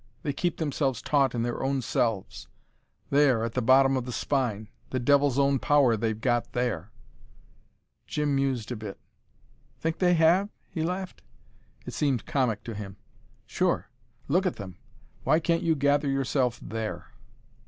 They keep themselves taut in their own selves there, at the bottom of the spine the devil's own power they've got there." Jim mused a bit. "Think they have?" he laughed. It seemed comic to him. "Sure! Look at them. Why can't you gather yourself there?"